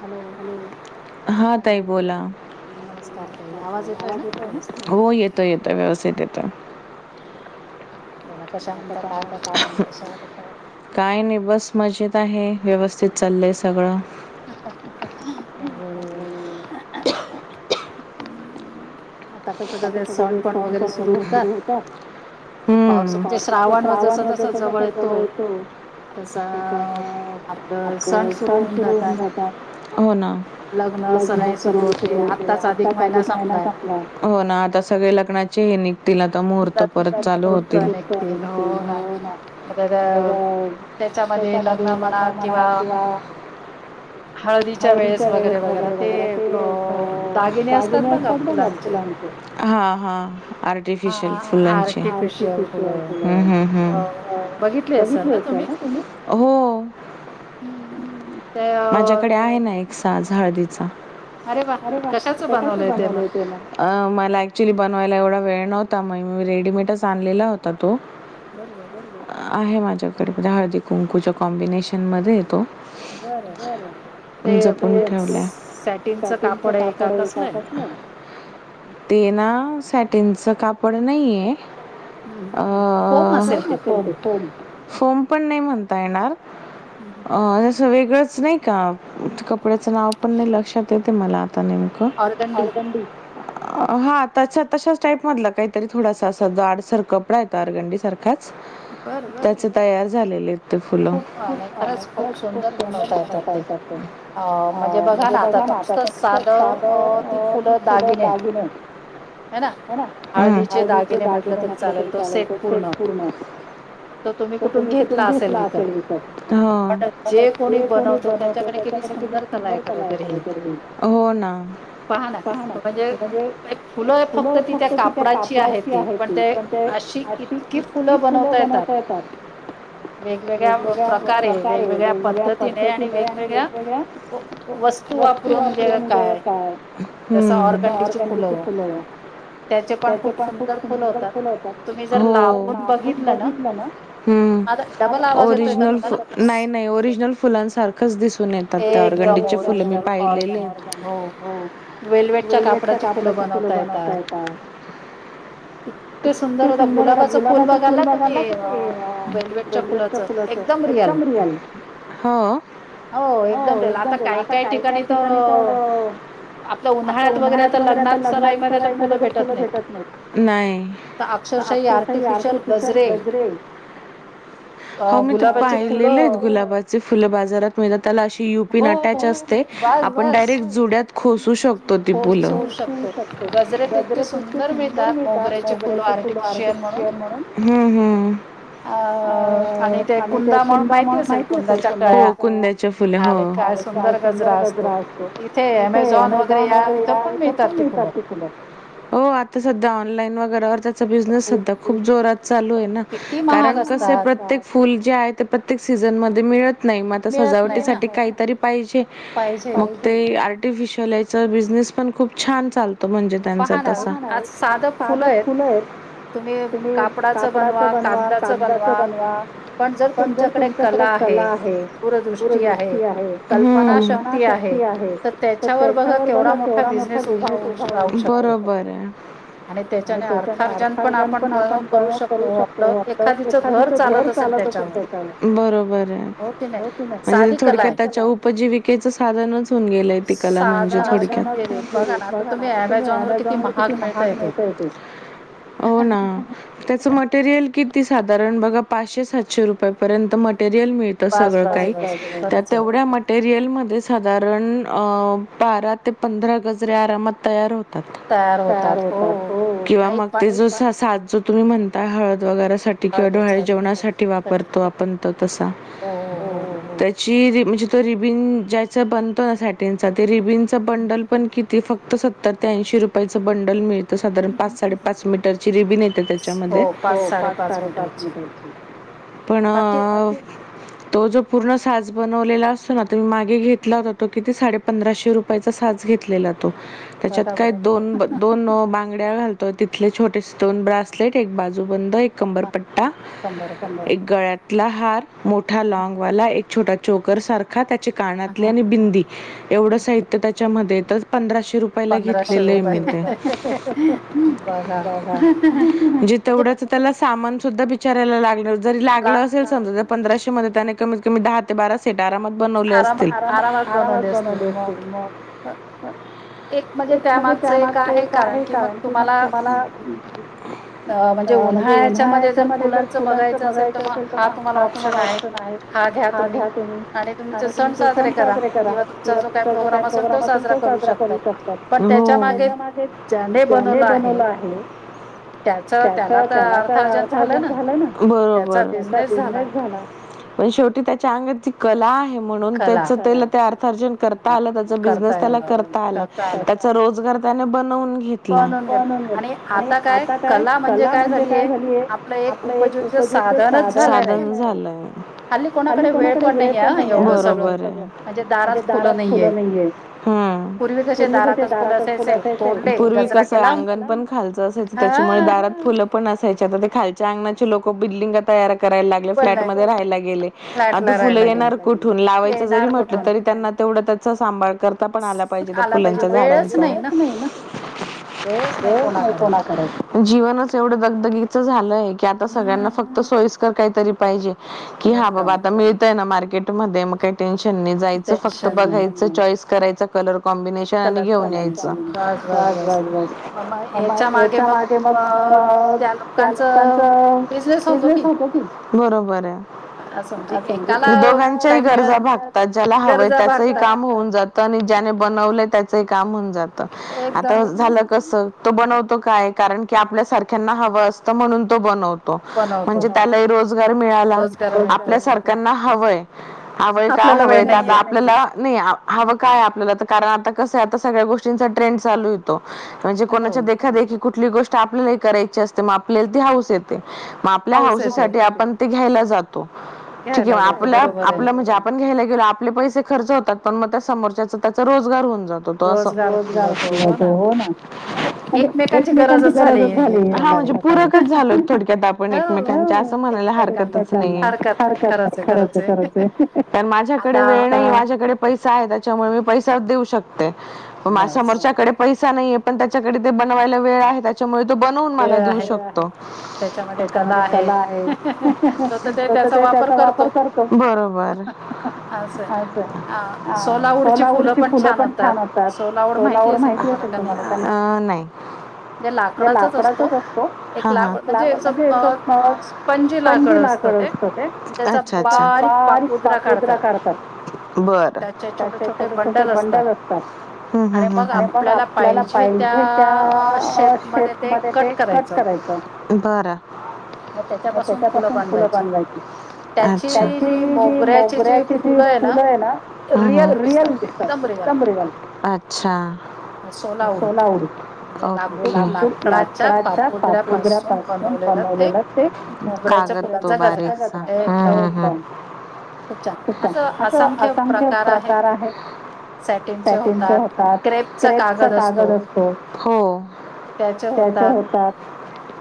Hello hello नमस्कार तई आवाज येतो आहे नास् हो येतो येतं व्यवस्थित येतं. बोला कशा म्हणतात काय म्हणताही कशा काय नाही बस मजेत आहे व्यवस्थित चाललंय सगळं अच्ा अच्ा आता ज फन फन वगैरे सुरू होतात. श्रावण वगैर बघायचो. त्या आता सण फिरवून जातात. हो ना लग्न सरळ सुरू होते आत्ताच अधिक महिना संपला. हो ना आता सगळे लग्नाचे आहे नि तिला तर मुहूर्त परत चालू होतील. न शता नदी लग्न मना किंवा हळदीच्या वेळेस वगैरे वगैरे केले जागीने असतात बघ. हा हा अर. आर्टिफिशयल फुलांचे बघितले होत तुम्ही हो माझ्याकडे आहे ना. हळदीचा अरे वा क बनवलेला मला ॲक्च्युली बनवायला एवढा वेळ नव्हता मग मी रेडीमेटच आणलेला होता तो. आहे माझ्याकडेणजे हळदी कुंकूच्या कॉम्बिनेशन मध्ये तो जपून ठेवल्याॅटंच कापड होेत. ते ना सॅटिनचं कापड नाही आहे. ह. फोम पण नाही म्हणता येणार अ अससं वेगळंच नाही का? कपड्याचं नाव पण नाही लक्षात येते मला आता नेमकं. हा त तशाच टाईपमधला काहीतरी थोडासा असा जाडसर कपडा य अरगंडी सारख्या त्याचे तयार झालेले. फुलंप खूप सुंदर बनवता येतात ते अ म्हणजे बघा ना आता साध ती फुलं दाग तन ह ना हळदीचे दागीने नकलं तरी चालेल शट पूर्ण त तुम्ही कुठून घेतला असेल विकर थोडी बनत त्याच्या किती सुंदर क करा हो ना, पहा ना म्हणजे म्हण एक फुलं फक्त ती त्या कापडाची आहे ती पण ते अशी ही फुलं बनवता येतात. वेगवेगळ्या प्रकारे वेगवेगळ्या पद्धतीने आणि वेगवेगळ्या वस्तू वापरून व्यवसाय का त्या [unintelligible] त्याचे पण खूप सुंदर फुलं होतात. [unintelligible] बघितलं ना हम् ओरिजनल फ नाही नाही ओरिजनल फुलांसारखंच दिसून ये तर त्या औरगंडीचे फुलं मी पाहिलेले. वेलवेटच्या कापडाची फुलं बनवता येतात. इतके सुंदर होता गुलाबाच फुल बघा ना तुम्ही अ वेलवेटच्या फुला च एकदम रियल. हो एकदम रियल. आता काय काय ठिकाणी तर आपल्या उन्हाळ्या वगैरे आता लग्नात लग्नात कराय म्हणलं तर फुलं भेटत नाहीत. नाई तर अक्षरशाही आर्टिफिशियल गजरे हो मी ते पाहिलेले आहेत गुलाबाचे फुलं बाजारात मिळतात, त्याला अशी यु पीन अटॅच अस ते आपण डायरेक्ट जुड्यात खोसू शकतो ती फलं. गजरे तर इतके सुंदर मिळतात मोगऱ्याची फुलं आर्टिफिशियल म्हणून. हम्म हम्म. अ -आणि ते कुंदा म्हणून माहिती असेल [unintelligible] हो कुंदे चे फुले हो. आणि काय सुंदर गजरा असतो. इथे [unintelligible] मिळतात ती फुलं. हो आता सध्या ऑनलाईन वगै बिझनेस सुद्धा खूप जोरात चालू आहे ना. कारण कसे प्रत्येक फूल जे आहे ते प्रत्येक सीझनमध्ये मिळत नाही मग आता सजावटीसाठी काहीतरी पाहिजे. मग ते आर्टिफिशल च बिझनेस पण खूप छान चाल तो म्हणजे त्यांचा तसा. [unintelligible] फुलं आहेत. तुम्ही कापडाचं बनवा, कागदाच बनवा पण जर तुमच्याकडे कला आहे, दूरदृष्टी आहे, कल्पना शक्ती आहे तर त्याच्यावर बघा केवढा मोठा बिझनेस उभा होऊ राहू शकतो. आणि त्याच्याने अर्थार्जन अर्थार्जन पण आपण फळ करू शकतो आपलं, एखादिचं घर चालत असेल त्याच्यान बरोबर आहे. म्हणजे थोडक्यात त्याच्या उपजीविकेच साधनच होऊन गेलंय ती कला म्हणजे. थोडक्यात [unintelligible] हा बघाना आता तुम्ही आम्यझॉन वर किती महाग मिळतंय ते हो ना त्याचं मटेरियल कि''--'' ती साधारण बघा पाचशे सातशे रुपयापर्यंत मटेरियल मिळते. त सगळं काही त्या तेवढ्या मट''--'' रियल मध्ये साधारण अ बारा ते पंधरा गजरे आरामात तयार होत्यात. तात तयार होतात हो किंवा मग ते जो सा साजूक. तुम्ही म्हणताय हळद वगैरेसाठी. किंवा डोळे जेवणासाठी वापरतो आपण तो तसा त''--'' जी रिब म्हणजे तो रिबिन ज्यायच बनतोना सॅटिनचा ते रिबिन. च बंडल पण किती फक्त सत्तर ते ऐंशी रुपयाचं बंडल मिळत. तर साधारण पाच साडेपाच मीटरची रिबिन येते त्याच्यामध्ये हो पाच साडे पाच मीटरची. पण तो जो पूर्ण साज बनवलेला असतो ना, तो मी मागे घेतला होता तो किती साडे पंधराशे रुपयाचा साज घेतलेला तो. त्याच्यात काय दोन दोन बांगड्या घालतो, तिथले छोटेसे दोन ब्रासलेट, एक बाजू बंद, एक कंबर पट्टा, एक गळ्यात ला हार मोठा लँंगवाला, एक छोटा चोकर सारखा त्याचे कानातले आणि बिंदी. एवढं साहित्य त्याच्यामध्ये तच पंधराशे रुप पहिला घेतलेलय मी ते म्हणजे तेवढच त्याला सामान सुद्धा बिचाऱ्याला लागलं, जरी लागलं अस जर समजा पंधराशे मध्ये त्याने कमीत कमी दहा ते बारा सेट आरामात बनवले असतील. आराम आरामात बनवले असतील मग एक म्हणजे त्यामागचं एक आहे कारण कि मग तुम्हाला म्हणजे उन्हाळ्याच्या मध्ये जर फुलांच बघायचं असेल तर मग हा तुम्हाला ऑप्शन आहे. हा घ्या तुम्ही. तुम्ही अरे तुम्ही ते सण साजरे करा. किंवा तुमचा जो काही प्रोग्राम असेल तो साजरा करू शकतात पण त्याच्या मागे. त्याने बनवला आहे. त्याच त्याला तर अर्थाजन झालं ना त्याचा बिजनेस झालं. पण शेवटी त्याच्या अंगात ती कला आहे म्हणून त्याच त्याला ते अर्थ अर्जन. करता आला त्याचा बिजनेस त्याला करता आला त्याचा रोजगार त्याने बनवून घेतला. घेतला पण आणि आता काय कला म्हणजे काय झालीय आता. एक उपजीविकेच साधन साधन झालंय. हल्ली कोणाकडे वेळे पण नाहीये अ बरोबर आहे. म्हणजे दारात फुलं नाहीय पूर्वी कसे दारातच फुलं असायचे पूर्वी पूर्वी कसं अंगण पण खालचं असायचे त्याच्यामुळे दारात फुलं पण असायच्या आता खालच्या अंगणाचे लोक बिल्डिंग तयार करायला लाग फ्लॅट मध्ये रहायला गेले आता फुल येणार कुठून लावायचं जरी म्हटलं तरी त्यांना तेवढं त्याचा सांभळ करता पण आला पाहिजे त्या फुलांच्या झाडांचा वेळच नाही ना. वेळच नाही कोणाकडे जीवनच एवढं दगदगीचं झालंय की आता सगळ्यांना फक्त सोयीस्कर काहीतरी पाहिजे कि हा बाबा आता मिळतय ना मार्केट मध्ये मग काही टेन्शन नाही जायच फक्त बघायच चॉईस करायंच कलर कॉम्बिनेशन आणि घेऊन यायचं बास बास बास याच्या माग मग त्या लोकांच बिझनेस होत की बरोबर आहे अस दोघांच्याही गरजा भागतात ज्याला हव हवयं त्याचही काम होऊन जात आणि ज्यानं बनवलंय त्याच ही काम होऊन जात कस. तो बनवतो काय. कारण की आपल्या सारख्यांना हवं असतं म्हणून तो बनवतो. म्हणजे त्याला रोजगार मिळाला आपल्यासारख्यांना हवंय हवंय काय? हवंय का? आपल्याला नाही. हवं काय आपल्याला तर कारण आता कसं आता सगळ्या गोष्टींचा ट्रेंड चालू य म्हणजे कोणाच्या देखादेखी कुठली गोष्ट आपल्यालाही करायची असते. मग आपल्याला ती हाऊस येत येते. मग आपल्या हौसेसाठी आपण ते घ्यायला जातो. ठीकय मग आप- आप म्हणजे पण घ्यायला गेलो आपले पैसे खर्च होतात पण मग त्या समोरच्याच त्याचा रोजगार होऊन जातो. तो अस. रोजगार होऊन जातो हो ना एकमेकांची गरजच झाली. हा म्हणजे पूरकच झालो थोडक्यात आपण एकमेकांच्या असं म्हणायला हरकतच नाहीये. हरकत नई खरचय खरंचय कारण माझ्याकडे वेळ नई माझ्याकडे पैसे आहे त्याच्यामुळे मी पैसाच देऊ शकते. समोरच्याकडे पैसा नाहीेय पण त्याच्याकडे ते बनवायला वेळ आहे त्यामुळे तो बनवून मला देऊ शकतो. त्याच्यामध्ये कला आहे. तो तसा त्याचा वापर करतो. बरोबर अच्छा. अ सोलावूडची फुलं पण छान होतात, सोलावूड माहितीय? असेल तुम्हांला का नई? अ- नई. ते लाकडाचच अस लाकडाचच असतो. हा हा. म्हणजे -स्पंजी लाकड असतं ते. अच्छ अच्छा. बारीक पापुदरा काढतात. बर. त्याचे छोटे छोटे बंडल असतात. आणि मग आपण आपल्याला पाहिजे त्या शेपमध्ये ते कट करायच. त्याच्यापासून फुलं बांधवायची. अछ्या. त्याची जी जी मोगऱ्याची जी फुलं हाय ना, रिअल दिसतात एकदम रिअल. अच्छा सोलाऊड, ओके. लाकूड लाकूड लाकडाच्या पापुद्र्या पाासून बनवलेल ते, कागद तो बारीक हम्म हम्म हम्म. खूप छान, असं असंख्य प्रकार आहेत. सॅटीनचे होतात, क्रेपचा कागद असतो. त्याचे होतात.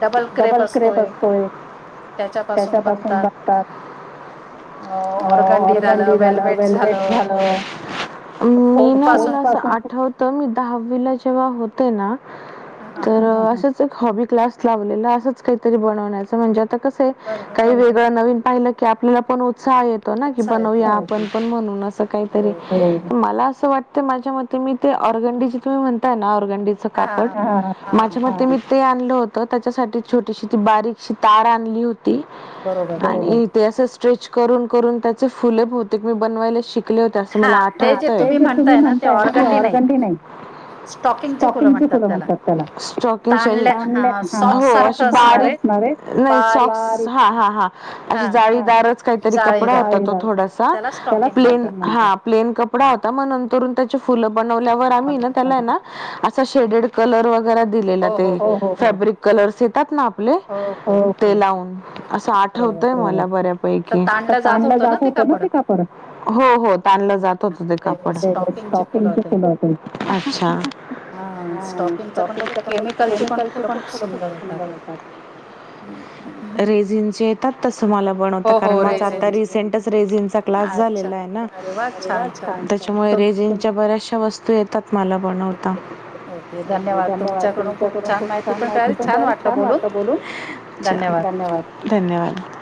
डबल क्रेप असतो एक. त्याच्या पाासून बनतात. अ- ऑरगंडी गंडी झालं, वेलवेट झालं. मी ना मला आठ त मी दहावीला जेव्हा होते ना, तर असच हॉबी क्लास लावलेला असच काहीतरी बनवण्याच म्हणजे आता कसय, काही नवीन पाहिलं की आपल्याला पण उत्साह येतो ना बनवूया आपण पण, म्हणून असं काहीतरी होय. मला असं वाटते, माझ्या मते मी ते ऑरगंडीजी तुम्ही म्हणताय ना ऑरंगडी चं कापड माझ्या मते मी ते आणलं होत, त्याच्यासाठी छोटीशी ती बारीकशी तार आणली होती. आणि ते असं स्ट्रेच करून करून त्यात फुले बहुतेक मी बनवायला शिकले होते. मला आठवतयं ते जे तुम्ही म्हणताय ना, ते आँरगंडी नाही. स्टॉकिंग ची फुलं म्हणतात त्याला, स्टॉकिंग [unintelligible] हो अशी बारीक नव्हे नाही सॉक्स हा हा हा अशी जाळीदारचं काहीतरी कपडा होता तो. थोडासा त्याला प्लेन हा प्लेन कपडा होता, मग नंतरून त्याची फुल बनवल्या आम्ही ना, त्याला हाय ना, असा शेडेड कलर वगैरे दिलेला ते हो हो हो. फॅब्रिक कलर्स येतात ना आपले ते लावून असं आठवतय, मला बऱ्यापैकी ते ताणल जात परत हो हो ताणल जात होत ते कापड ते स्टाँकींगचे फुले होतीत, अच्छा! हा स्टाँकिंगचे [unintelligible] फुल पण खूप असतात. अह. रेझिंगचे येतात तसं मला बनवता कारण, माझं आता रिसेंटचं रेझिंगचा क्लास झालेला आहे ना, त्याच्यामुळे रेझिगच्या बऱ्याचशा वस्तू येतात मला बनवता. धन्यवाद! तुमच्याकडे खूप छान माहिती पण मिळाली आणि छान वाटलं बोलून. अच्छा, धन्यवाद धन्यवाद!